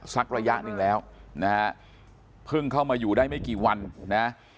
ระยะหนึ่งแล้วนะฮะเพิ่งเข้ามาอยู่ได้ไม่กี่วันนะ